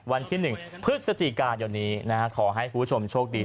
วันที่หนึ่งพฤษจิกายันนี้นะฮะขอให้ผู้ชมโชคดี